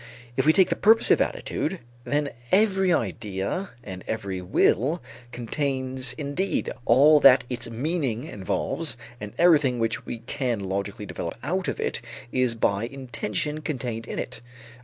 If we take the purposive attitude, then every idea and every will contains indeed all that its meaning involves and everything which we can logically develop out of it is by intention contained in it.